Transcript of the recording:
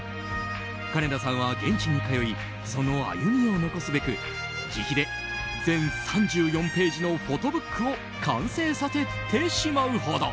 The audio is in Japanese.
かねださんは、現地に通いその歩みを残すべく自費で全３４ページのフォトブックを完成させてしまうほど。